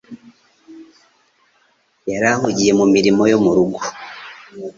Yari ahugiye mu mirimo yo mu rugo